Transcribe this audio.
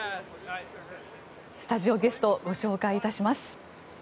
スタジオゲストご紹介いたします。